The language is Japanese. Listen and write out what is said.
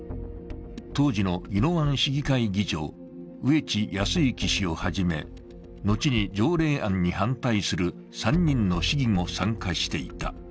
当時の宜野湾市議会議長、上地安之氏をはじめのちに条例案に反対する３人の市議も参加していた。